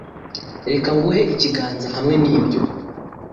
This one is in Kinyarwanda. Reka nguhe ikiganza hamwe nibyo.